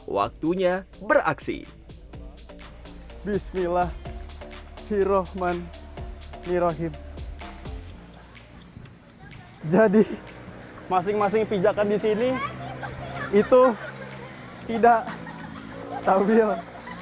waktunya beraksi bismillahirohmanirohim jadi masing masing pijakan disini itu tidak stabil